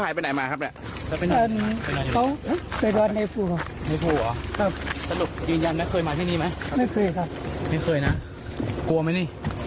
จะไปหาใครพี่